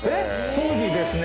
当時ですね